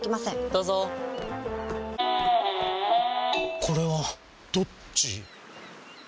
どうぞこれはどっち？